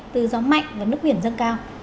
từ gió mạnh và nước biển dâng cao